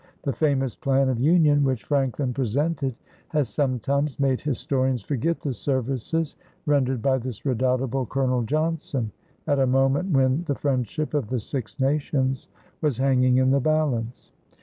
The famous plan of union which Franklin presented has sometimes made historians forget the services rendered by this redoubtable Colonel Johnson at a moment when the friendship of the Six Nations was hanging in the balance.